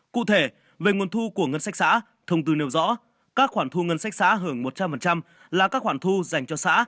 cụ thể về nguồn thu của ngân sách xã thông tư nêu rõ các khoản thu ngân sách xã hưởng một trăm linh là các khoản thu dành cho xã